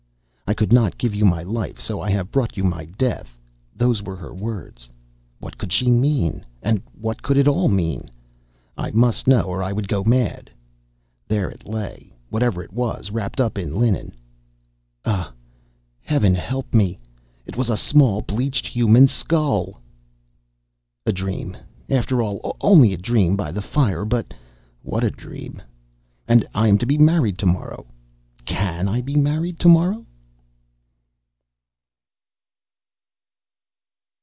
"I could not give you my life, so I have brought you my death!" Those were her words. What could she mean—what could it all mean? I must know or I would go mad. There it lay, whatever it was, wrapped up in linen. Ah, heaven help me! It was a small bleached human skull! A dream! After all, only a dream by the fire, but what a dream! And I am to be married to morrow. Can I be married to morrow?